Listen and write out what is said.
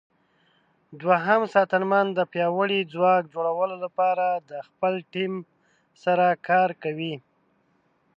دوهم ساتنمن د پیاوړي ځواک جوړولو لپاره د خپل ټیم سره کار کوي.